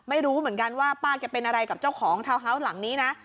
ไม่รู้เหมือนกันว่าป้าแกเป็นอะไรกับเจ้าของทาวน์ฮาวส์หลังนี้นะ